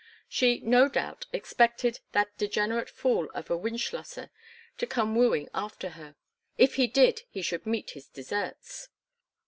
She, no doubt, expected that degenerate fool of a Wildschlosser to come wooing after her; "if he did he should meet his deserts."